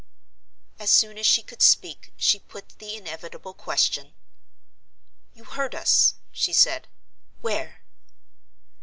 As soon as she could speak she put the inevitable question. "You heard us," she said. "Where?"